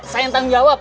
saya yang tanggung jawab